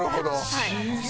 はい。